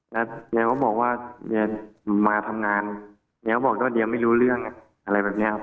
แล้วเดี๋ยวก็บอกว่ามาทำงานเดี๋ยวก็บอกว่าเดี๋ยวไม่รู้เรื่องอะไรแบบเนี้ยครับ